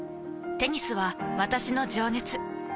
テニスは私の情熱。